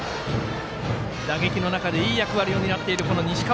打撃の中でいい役割を担っている西川。